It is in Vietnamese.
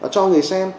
cho người xem